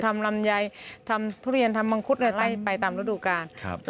ทำลำไยทำทุเรียนทำมังคุตอะไรไปตามรูดุการ